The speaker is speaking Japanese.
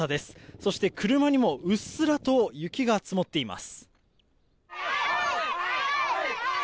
そして車にもうっすらと雪が積もっています。